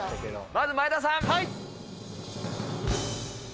まず前田さん。